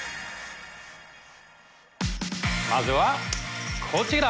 まずはこちら！